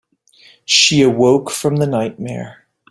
She awoke from the nightmare.